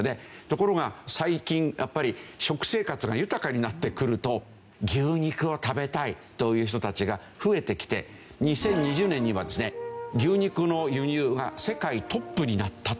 ところが最近やっぱり食生活が豊かになってくると牛肉を食べたいという人たちが増えてきて２０２０年にはですね牛肉の輸入が世界トップになったというわけですね。